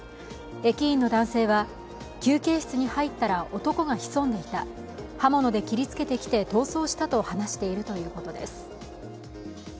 駅員の男性は、休憩室に入ったら男が潜んでいた、刃物で切りつけてきて逃走したと話しているということです。